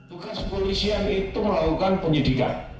tugas polisian itu melakukan penyidikan